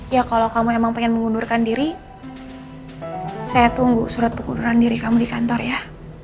ya kalau kamu emang pengen mengundurkan diri saya tunggu surat pengunduran diri kamu di kantor ya